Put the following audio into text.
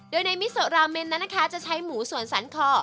โดยในมิโซราเมนนั้นนะคะจะใช้หมูส่วนสันคอ